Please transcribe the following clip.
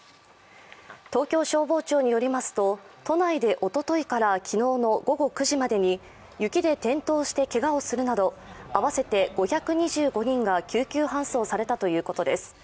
東京消防庁によりますと都内でおとといから昨日の午後９時までの雪で転倒してけがをするなど合わせて５２５人が救急搬送されたということです。